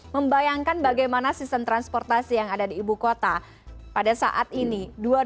membayangkan bagaimana sistem transportasi yang ada di ibu kota pada saat ini dua ribu dua puluh dua